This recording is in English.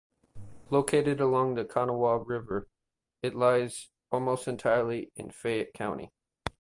Located along the Kanawha River, it lies almost entirely in Fayette County.